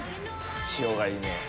塩がいいね。